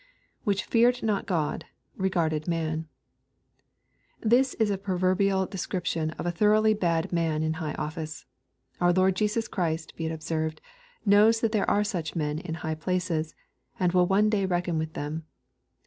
[ Which feared not Ood... regarded man.] This is a proverbial de* scription of a thoroughly bad man in high office. Our Lord Jesua Christ, be it observed, knows that there are such men in high places, and will one day reckon Mith them.